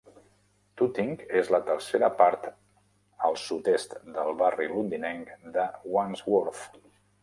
Tooting és la tercera part al sud-est del barri londinenc de Wandsworth.